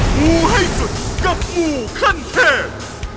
หมู่ให้สุดกับหมู่ขั้นเทพ